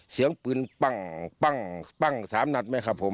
เสียงปืนปังปังปัง๓นัท